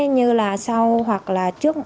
như là sau hoặc là trước